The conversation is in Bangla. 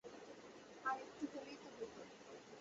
আর একটু হলেই তো হইত।